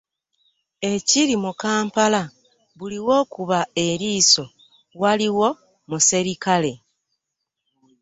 Ekiri mu Kampala buli wokuba eriiso waliwo muserikale.